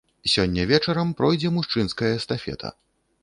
Сёння вечарам пройдзе мужчынская эстафета.